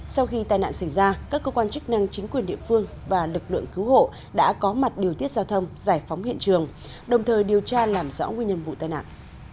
sau khi tai nạn xảy ra các cơ quan chức năng chính quyền địa phương và lực lượng cứu hộ đã có mặt điều tiết giao thông giải phóng hiện trường đồng thời điều tra làm rõ nguyên nhân vụ tai nạn